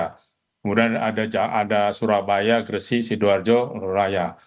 kemudian ada surabaya gresik sidoarjo raya